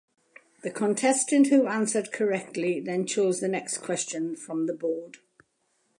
The contestant who answered correctly then chose the next question from the board.